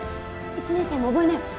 １年生も覚えなよ。